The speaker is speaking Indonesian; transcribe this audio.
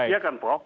ya kan prof